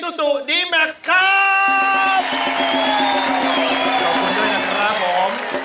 ขอบคุณด้วยนะครับผม